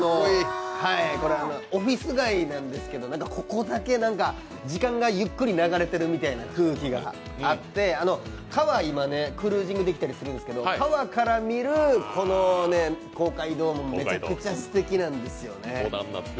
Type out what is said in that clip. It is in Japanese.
オフィス街なんですけど、ここだけ時間がゆっくり流れてるみたいな空気があって、川クルージングできたりするんですけど川から見る公会堂もめちゃくちゃすてきなんですよね。